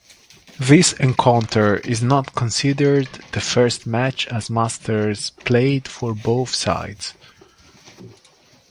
This encounter is not considered the first match as Masters played for both sides.